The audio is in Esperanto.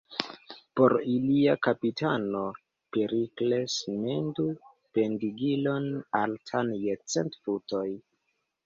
Por ilia kapitano Perikles mendu pendigilon altan je cent futoj.